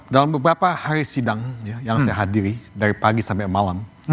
dalam beberapa hari sidang yang saya hadiri dari pagi sampai malam